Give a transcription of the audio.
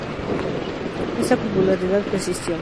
Esta popularidad persistió.